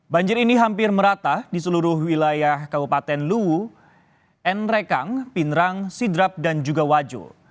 banjir ini hampir merata di seluruh wilayah kabupaten luwu nrekang pinerang sidrap dan juga wajo